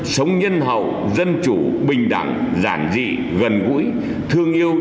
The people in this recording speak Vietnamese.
sống nhân hậu dân chủ bình đẳng giản dị gần gũi thương yêu